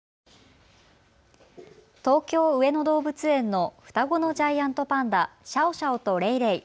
東京・上野動物園の双子のジャイアントパンダ、シャオシャオとレイレイ。